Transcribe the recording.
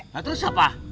nah terus siapa